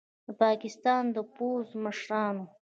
د پاکستان د پوځ مشرانو